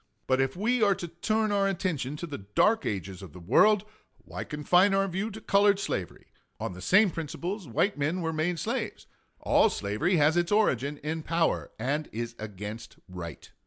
But if we are to turn our attention to the dark ages of the world, why confine our view to colored slavery? On the same principles white men were made slaves. All slavery has its origin in power and is against right.